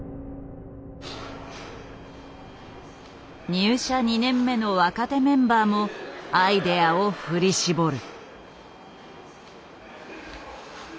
入社２年目の若手メンバーもアイデアを振り絞る。